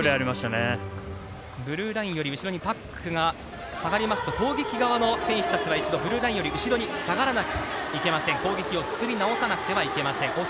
ブルーラインより後ろにパックが下がりますと、攻撃側の選手たちは一度ブルーラインより後ろに下がらなければいけません。